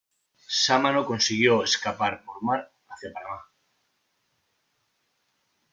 Sámano consiguió escapar por mar hacia Panamá.